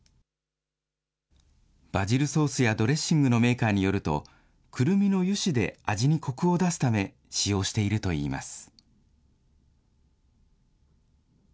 バジルソースやドレッシングのメーカーによると、くるみの油脂で味にこくを出すため、使用しているといいます。